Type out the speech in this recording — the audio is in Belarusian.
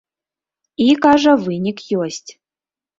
І, кажа, вынік ёсць.